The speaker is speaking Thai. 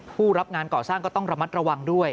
ผู้รับงานก่อสร้างก็ต้องระมัดระวังด้วย